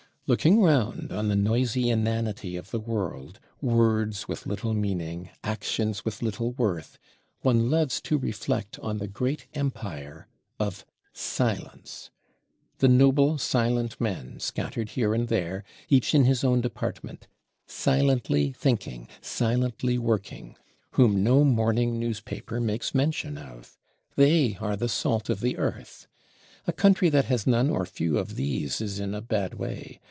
Looking round on the noisy inanity of the world, words with little meaning, actions with little worth, one loves to reflect on the great Empire of Silence. The noble silent men, scattered here and there, each in his own department; silently thinking; silently working; whom no Morning Newspaper makes mention of! They are the salt of the Earth. A country that has none or few of these is in a bad way.